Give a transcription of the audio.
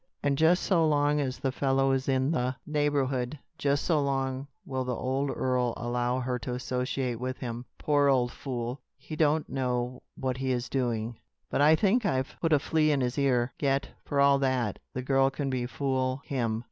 And just so long as the fellow is in the neighborhood, just so long will the old earl allow her to associate with him. Poor old fool! He don't know what he is doing. But I think I've put a flea in his ear. Yet, for all that, the girl can befool him.